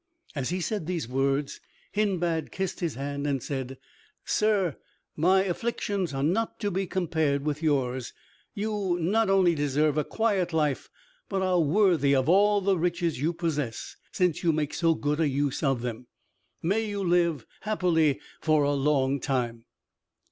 As he said these words, Hindbad kissed his hand, and said, "Sir, my afflictions are not to be compared with yours. You not only deserve a quiet life, but are worthy of all the riches you possess, since you make so good a use of them. May you live happily for a long time."